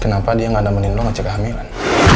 kenapa dia gak ada menindol ngecek kehamilan